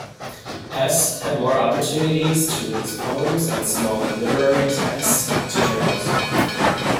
Hesse had more opportunities to release poems and small literary texts to journals.